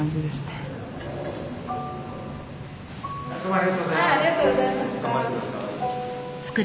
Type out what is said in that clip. ありがとうございます。